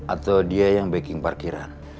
atau dia yang backing parkiran